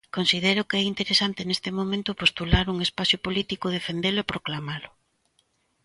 Considero que o interesante neste momento é postular un espazo político, defendelo e proclamalo.